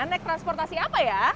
naik transportasi apa ya